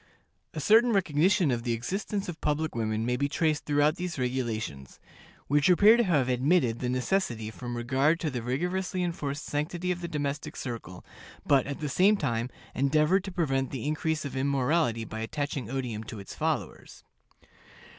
A certain recognition of the existence of public women may be traced throughout these regulations, which appear to have admitted the necessity from regard to the rigorously enforced sanctity of the domestic circle, but, at the same time, endeavored to prevent the increase of immorality by attaching odium to its followers.